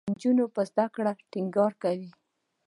د نجونو په زده کړه ټینګار کوي.